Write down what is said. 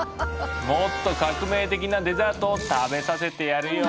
もっと革命的なデザートを食べさせてやるよ。